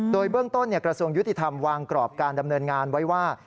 โดยเบื้องต้นกระทรวงยุติธรรมวางกรอบการดำเนินงานไว้ว่า